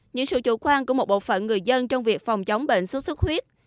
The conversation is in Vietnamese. những sự chủ quan của một bộ phận người dân trong việc phòng chống bệnh sốt xuất huyết